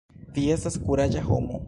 Vi estas kuraĝa homo.